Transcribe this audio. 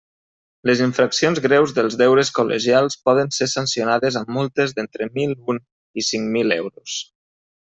Les infraccions greus dels deures col·legials poden ser sancionades amb multes d'entre mil un i cinc mil euros.